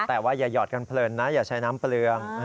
แต่ว่าอย่าหยอดกันเพลินนะอย่าใช้น้ำเปลือง